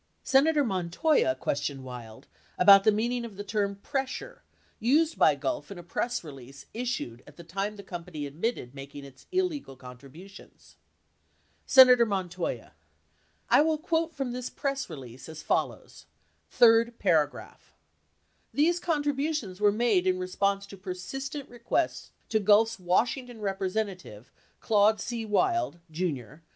67 Senator Montoya questioned Wild about the meaning of the term "pressure" used by Gulf in a press release 68 issued at the time the com pany admitted making its illegal contributions : w 13 Hearings 5463 64. 67 13 Hearings 5471. 68 13 Hearings 5808. 471 Senator Montoya. I will quote from this press release as follows — third paragraph : "These contributions were made in response to persistent requests to Gulf's Washington representative, Claude C. Wild, J r.